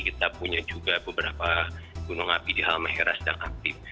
kita punya juga beberapa gunung api di halmahera sedang aktif